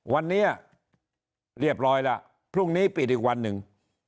วันนี้เรียบร้อยแล้วพรุ่งนี้ปิดอีกวันหนึ่ง